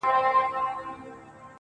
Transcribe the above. كه غمازان كه رقيبان وي خو چي ته يـې پكې,